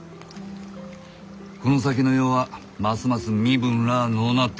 この先の世はますます身分らあのうなっていく。